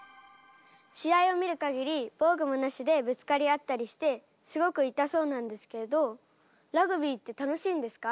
試合を見る限り防具もなしでぶつかり合ったりしてすごく痛そうなんですけどラグビーって楽しいんですか？